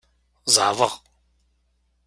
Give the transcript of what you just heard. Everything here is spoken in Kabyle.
Zeɛḍeɣ.